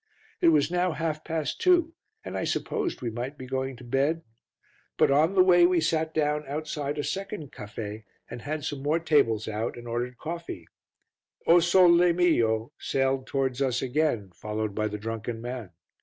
It was now half past two and I supposed we might be going to bed, but on the way we sat down outside a second caffe, had some more tables out and ordered coffee. O Sole Mio! sailed towards us again, followed by the drunken man.